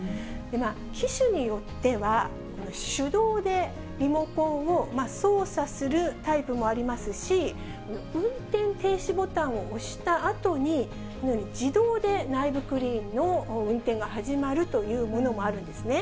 機種によっては、手動でリモコンを操作するタイプもありますし、運転停止ボタンを押したあとに、このように、自動で内部クリーンの運転が始まるというものもあるんですね。